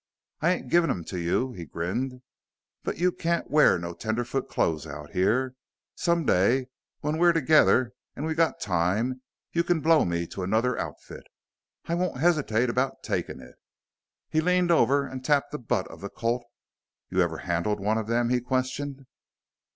"I ain't givin' them to you," he grinned. "But you can't wear no tenderfoot clothes out here. Some day when we're together an' we've got time you can blow me to another outfit; I won't hesitate about takin' it." He leaned over and tapped the butt of the Colt. "You ever handle one of them?" he questioned.